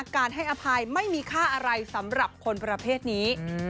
การให้อภัยไม่มีค่าอะไรสำหรับคนประเภทนี้